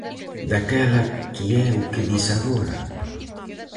Daquela que é o que dis agora?